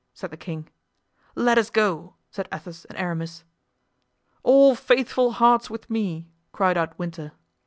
said the king. "Let us go," said Athos and Aramis. "All faithful hearts with me!" cried out Winter.